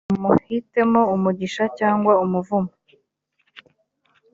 muhitemo umugisha cyangwa umuvumo